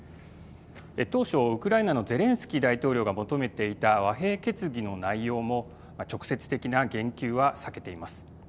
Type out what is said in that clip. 当初ウクライナのゼレンスキー大統領が求めていた和平決議の内容も直接的な言及は避けています。